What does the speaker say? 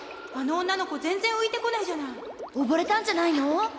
あの女の子全然浮いてこないじゃない溺れたんじゃないの？